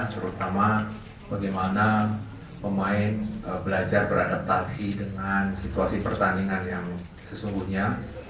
terutama bagaimana pemain belajar beradaptasi dengan situasi pertandingan yang sesungguhnya